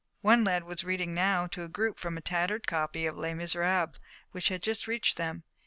One lad was reading now to a group from a tattered copy of "Les Miserables," which had just reached them.